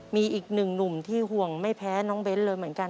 มีอีกหนึ่งหนุ่มที่ห่วงไม่แพ้น้องเบ้นเลยเหมือนกัน